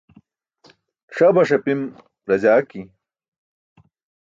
Ṣabaṣ apim rajaajki.